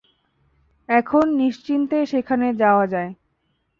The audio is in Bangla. এখন নিশ্চিন্তে সেখানে যাওয়া যায়।